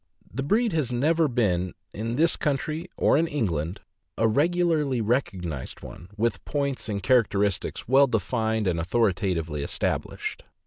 The breed has never been, in this country or in England, a regularly rec ognized one, with points and characteristics well defined and authoritatively established.